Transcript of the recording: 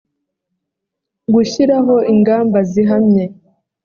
gushyiraho ingamba zihamye